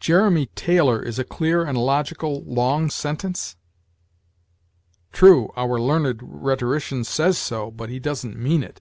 Jeremy Taylor is a clear and logical long sentence?! True, our learned rhetorician says so, but he doesn't mean it.